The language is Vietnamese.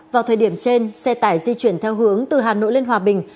vào thời điểm trên xe tải di chuyển theo hướng từ hà nội lên hòa bình